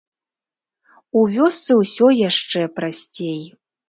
У вёсцы ўсё яшчэ прасцей.